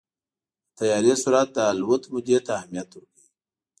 د طیارې سرعت د الوت مودې ته اهمیت ورکوي.